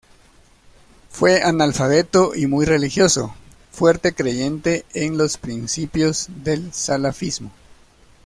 Fue analfabeto y muy religioso, fuerte creyente en los principios del salafismo.